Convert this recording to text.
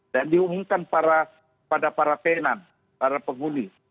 dan diumumkan pada para tenan para pemuli